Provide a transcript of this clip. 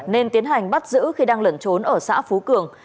nên tiến hành bắt giữ khi đang lẩn trốn ở xã phú cường